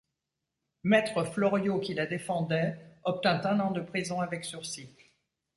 Maître Floriot qui la défendait obtint un an de prison avec sursis.